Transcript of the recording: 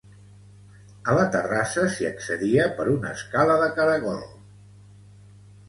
A la terrassa, s'hi accedia per una escala de caragol.